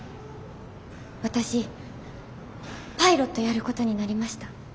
私パイロットやることになりました。